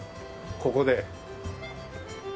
ここで。